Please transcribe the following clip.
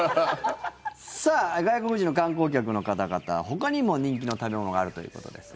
外国人の観光客の方々ほかにも人気の食べ物があるということですが。